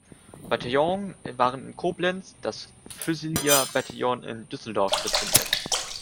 Bataillon waren in Koblenz, das Füsilier-Bataillon in Düsseldorf stationiert.